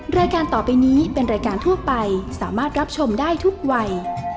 รายการต่อไปนี้เป็นรายการทั่วไปสามารถรับชมได้ทุกวัย